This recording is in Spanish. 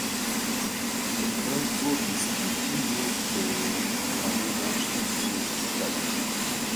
El rasgo distintivo de Ipanema son sus playas.